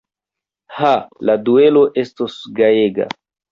Ho, la duelo estos gajega!